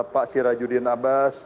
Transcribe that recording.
pak sirajudin abbas